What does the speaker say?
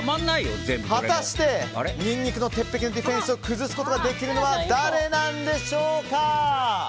果たして、ニンニクの鉄壁なディフェンスを崩すことができるのは誰なんでしょうか。